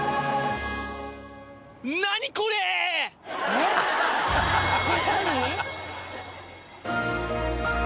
えっ何？